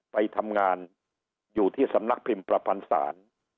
ไปทำงานอยู่ที่สำนักพิมพ์ประพันธ์ศาล